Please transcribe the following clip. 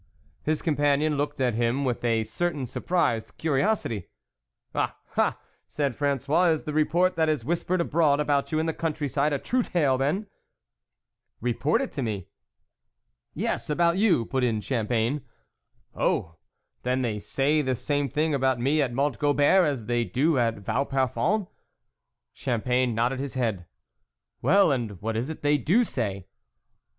His companion looked at him with a certain surprised curiosity, " Ah ! ah !" said Frangois, " is the report that is whispered abroad about you in the country side a true tale then ?"" Report about me ?"" Yes, about you," put in Champagne. " Oh, then they say the same thing about me at Mont Gobert as they do at Vauparfond ?" Champagne nodded his head. " Well, and what is it they do say